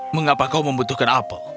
mengapa kau membutuhkan apel